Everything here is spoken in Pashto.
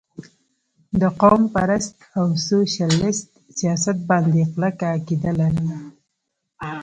د قوم پرست او سوشلسټ سياست باندې کلکه عقيده لرله